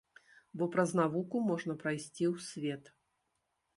Бо праз навуку можна прайсці ў свет.